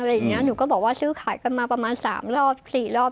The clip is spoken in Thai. อะไรอย่างนี้หนูก็บอกว่าซื้อขายกันมาประมาณ๓รอบ๔รอบ